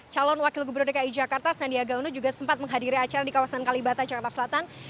calon wakil gubernur dki jakarta sandiaga uno juga sempat menghadiri acara di kawasan kalibata jakarta selatan